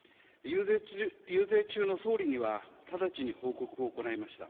遊説中の総理には直ちに報告を行いました。